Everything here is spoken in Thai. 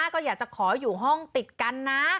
ก็อยากจะขออยู่ห้องติดกันนะ